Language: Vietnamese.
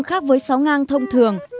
khác với sáo ngang thông thường